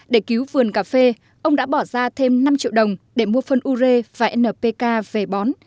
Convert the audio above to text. để cứu vườn cà phê ông đã bỏ ra thêm năm triệu đồng để mua phân u rê và npk về bón